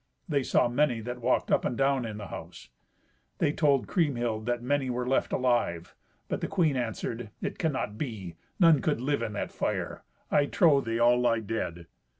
They saw many that walked up and down in the house. They told Kriemhild that many were left alive, but the queen answered, "It cannot be. None could live in that fire. I trow they all lie dead."